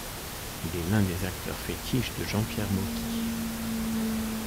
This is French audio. Il est l'un des acteurs fétiches de Jean-Pierre Mocky.